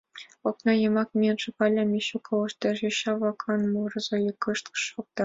Окна йымак миен шогалын, Мичу колыштеш: йоча-влакын мурымо йӱкышт шокта.